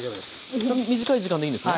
短い時間でいいんですね。